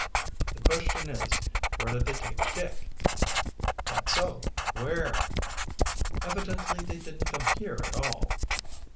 "The question is, where did they take Dick?" "That's so, where?" "Evidently they didn't come here at all."